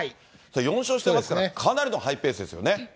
４勝してますから、かなりのハイペースですよね。